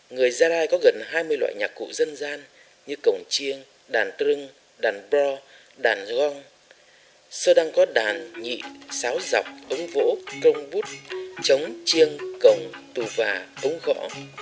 người gia lai có gần hai mươi loại nhạc cụ dân gian như cổng chiêng đàn trưng đàn bro đàn gong sơ đăng có đàn nhị sáo dọc ống vỗ trông bút chống chiêng cổng tù vả ống gõ